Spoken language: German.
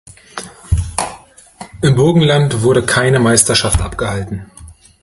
Im Burgenland wurde keine Meisterschaft abgehalten.